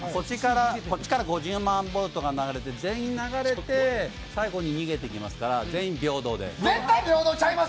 こっちから５０万ボルトが流れて全員流れて、最後に逃げていきますから、全員平等です。